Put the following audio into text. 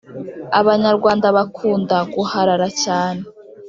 Abanyarwanda bakunda guharara cyane